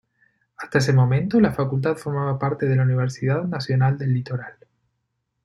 Hasta ese momento, la facultad formaba parte de la Universidad Nacional del Litoral.